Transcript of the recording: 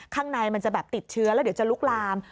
ข้างในมันจะแบบติดเชื้อแล้วเดี๋ยวจะลุกลาม